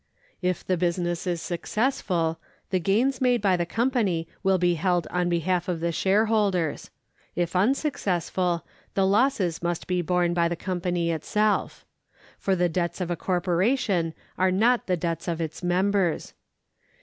If the business is successful, the gains made by the company will be held on behalf of the shareholders; if unsuccessful, the losses must be borne by the company itself. For the debts of a corporation are not the debts of its members.